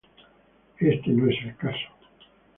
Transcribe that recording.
Este no es el caso.